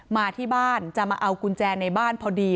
มาที่บ้านจะมาเอากุญแจในบ้านพอดี